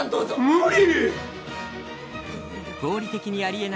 無理。